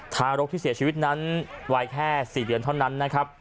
ทารกที่เสียชีวิตนั้นวัยแค่๔เดือนเท่านั้นนะครับ